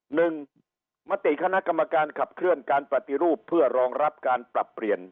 หนึ่งมติคณะกรรมการขับเคลื่อนการปฏิรูปเพื่อรองรับการปรับเปลี่ยน